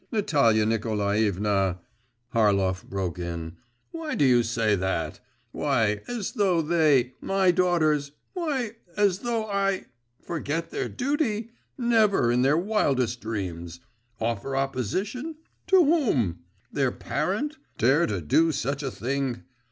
…' 'Natalia Nikolaevna!' Harlov broke in, 'why do you say that?… Why, as though they … My daughters … Why, as though I … Forget their duty? Never in their wildest dreams.… Offer opposition? To whom? Their parent … Dare to do such a thing?